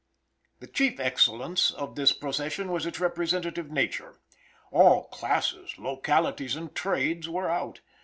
The chief excellence of this procession was its representative nature. All classes, localities and trades were out.